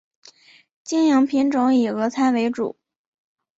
经营品种以俄餐为主。